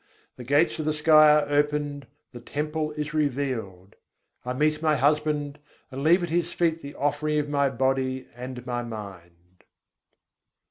The gates of the sky are opened, the temple is revealed: I meet my husband, and leave at His feet the offering of my body and my mind.